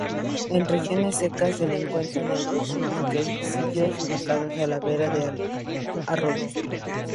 En regiones secas, se lo encuentra en bosquecillos ubicados a la vera de arroyos.